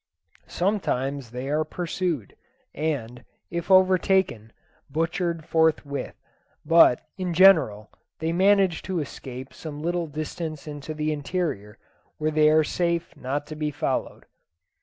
Sometimes they are pursued, and, if overtaken, butchered forthwith; but, in general, they manage to escape some little distance into the interior, where they are safe not to be followed.